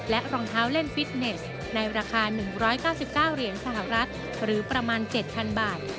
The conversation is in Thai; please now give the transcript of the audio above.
รองเท้าเล่นฟิตเนสในราคา๑๙๙เหรียญสหรัฐหรือประมาณ๗๐๐บาท